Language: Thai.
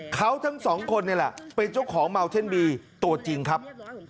เขาทั้งสองคนนี่แหละเป็นเจ้าของเมาเท่นบีตัวจริงครับ